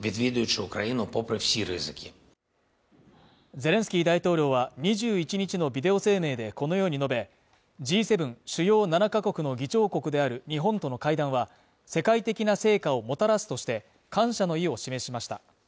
ゼレンスキー大統領は２１日のビデオ声明でこのように述べ、Ｇ７＝主要７カ国の議長国である日本との会談は、世界的な成果をもたらすとして感謝の意を示しました。